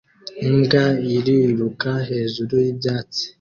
imbwa iriruka hejuru y'ibyatsi